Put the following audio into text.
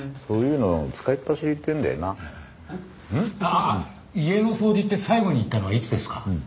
ああ家の掃除って最後に行ったのはいつですか？